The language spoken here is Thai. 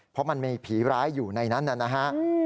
เพราะมันมีผีร้ายอยู่ในนั้นนะฮะ